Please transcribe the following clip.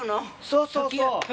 そうそうそう。